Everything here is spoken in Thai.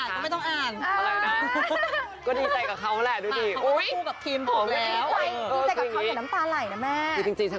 ถ้าไม่อยากอ่านก็ไม่ต้องอ่าน